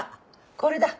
これだ。